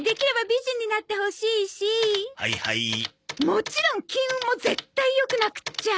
もちろん金運も絶対良くなくっちゃ！